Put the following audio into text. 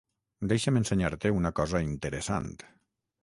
Deixa'm ensenyar-te una cosa interessant.